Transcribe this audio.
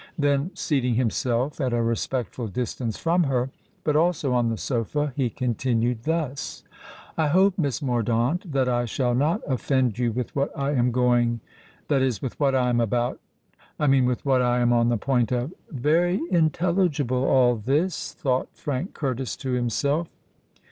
Then, seating himself at a respectful distance from her—but also on the sofa, he continued thus:—"I hope, Miss Mordaunt, that I shall not offend you with what I am going—that is, with what I am about—I mean, with what I am on the point of——" "Very intelligible, all this!" thought Frank Curtis to himself.